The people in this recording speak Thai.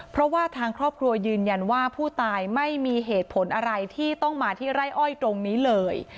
เพราะว่าทางครอบครัวยืนยันว่าผู้ตายไม่มีเหตุผลอะไรที่ต้องมาที่ไร่อ้อยตรงนี้เลย